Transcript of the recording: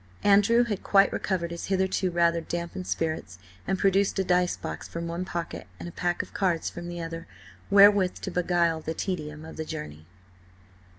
Andrew had quite recovered his hitherto rather dampened spirits, and produced a dice box from one pocket and a pack of cards from the other wherewith to beguile the tedium of the journey.